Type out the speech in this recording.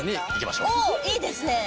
おっいいですね！